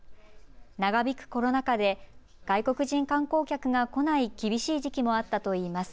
長引くコロナ禍で外国人観光客が来ない厳しい時期もあったといいます。